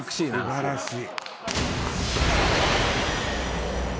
素晴らしい。